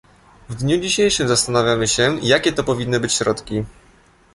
W dniu dzisiejszym zastanawiamy się, jakie to powinny być środki